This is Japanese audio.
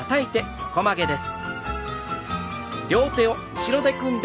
横曲げです。